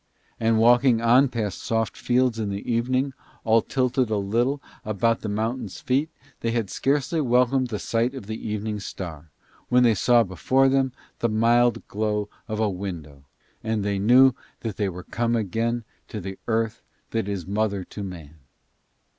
And walking on past soft fields in the evening, all tilted a little about the mountain's feet, they had scarcely welcomed the sight of the evening star, when they saw before them the mild glow of a window and knew they were come again to the earth that is mother to man.